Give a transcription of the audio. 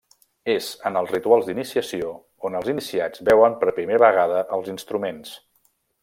És en els rituals d’iniciació on els iniciats veuen per primera vegada els instruments.